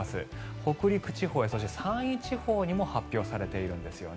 北陸地方やそして山陰地方にも発表されているんですね。